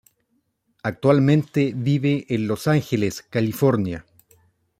Actualmente vive en Los Ángeles California.